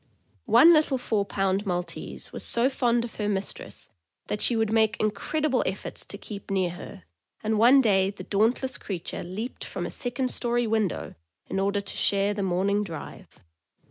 One little four pound Maltese was so fond of her mistress that she would make incredible efforts to keep near her, and one day the dauntless creature leaped from a second story window in order to share the morning drive.